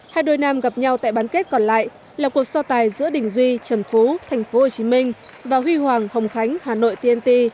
hai đôi nam gặp nhau tại bán kết còn lại là cuộc so tài giữa đình duy trần phú tp hcm và huy hoàng hồng khánh hà nội tnt